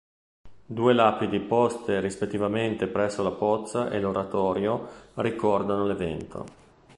Due lapidi poste rispettivamente presso la pozza e l'Oratorio, ricordano l'evento.